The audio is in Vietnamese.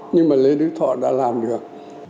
nhưng mà lê đức thọ đã làm được